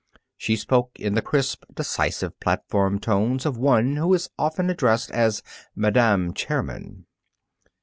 She spoke in the crisp, decisive platform tones of one who is often addressed as "Madam Chairman."